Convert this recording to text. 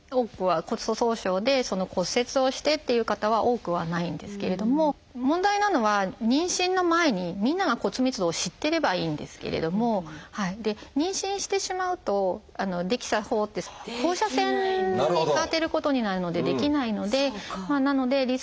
骨粗しょう症で骨折をしてっていう方は多くはないんですけれども問題なのは妊娠の前にみんなが骨密度を知ってればいいんですけれども妊娠してしまうとＤＸＡ法って放射線を当てることになるのでできないのでなのでリスクが当てはまったりとか